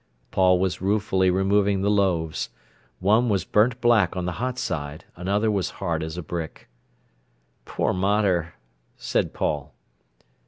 Paul was ruefully removing the loaves. One was burnt black on the hot side; another was hard as a brick. "Poor mater!" said Paul.